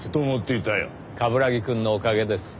冠城くんのおかげです。